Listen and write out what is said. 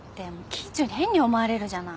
近所に変に思われるじゃない。